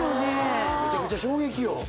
むちゃくちゃ衝撃よ